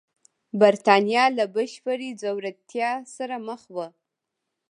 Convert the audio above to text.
برېټانیا له بشپړې ځوړتیا سره مخ وه.